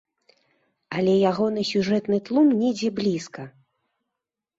Але ягоны сюжэтны тлум недзе блізка.